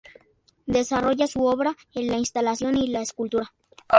Desarrolla su obra en la instalación y la escultura.